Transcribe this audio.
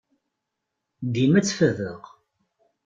Dima ttfadeɣ.